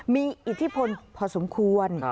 มีอิทธิพลพอสมควร